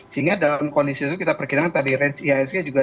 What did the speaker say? sehingga dalam kondisi itu kita perkirakan tadi range iisg juga